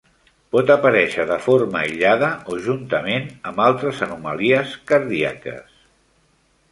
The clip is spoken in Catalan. Pot aparèixer de forma aïllada o juntament amb altres anomalies cardíaques.